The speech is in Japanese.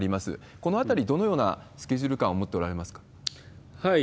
このあたり、どのようなスケジュール感を持っておられますか？